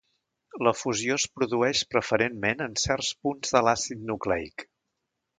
La fusió es produeix preferentment en certs punts de l'àcid nucleic.